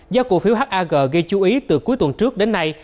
giá cổ phiếu hag gây chú ý từ cuối tuần trước đến nay